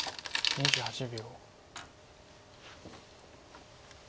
２８秒。